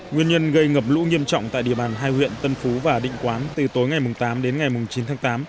nguyên nhân gây ngập lũ nghiêm trọng tại địa bàn hai huyện tân phú và định quán từ tối ngày tám đến ngày chín tháng tám